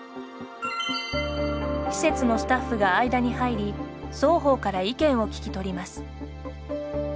施設のスタッフが間に入り双方から意見を聞きとります。